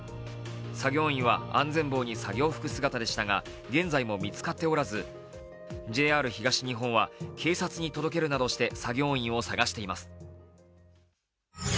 作業員は安全帽に作業服姿でしたが、現在も見つかっておらず、ＪＲ東日本は、警察に届けるなどして作業員を探しています。